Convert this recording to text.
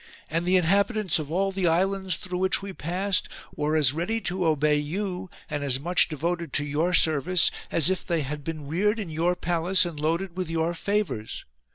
And the inhabitants of all the islands through which we passed were as ready to obey you, and as much devoted to your service, as if they had been reared in your palace and loaded with your favours.